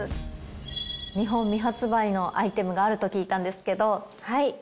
日本未発売のアイテムがあると聞いたんですけど。